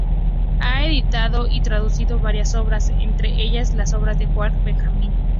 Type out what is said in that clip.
Ha editado y traducido varias obras, entre ellas las obras de Walter Benjamin.